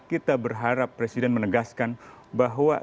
kita berharap presiden menegaskan bahwa